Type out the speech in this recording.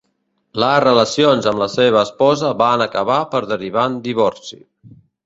Les relacions amb la seva esposa van acabar per derivar en divorci.